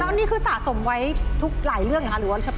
แล้วนี่คือสะสมไว้หลายเรื่องนะคะหรือว่าเฉพาะ